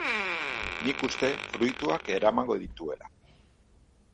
Nik uste fruituak emango dituela.